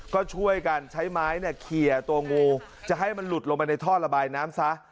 ก็ช่วยกันใช้ไม้เนี่ยเคลียร์ตัวงูจะให้มันหลุดลงไปในท่อระบายน้ำซะ